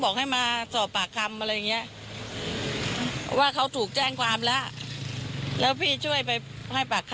ใช่สองสามวันนี้แหละแต่ก็ไม่ได้คุยอะไรกันเลย